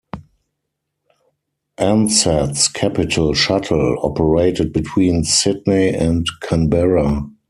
Ansett's Capital Shuttle operated between Sydney and Canberra.